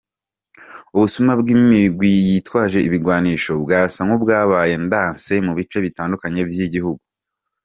Ubusuma bw'imigwi yitwaje ibigwanisho bwasa n'ubwabaye ndanse mu bice bitandukanye vy'igihugu.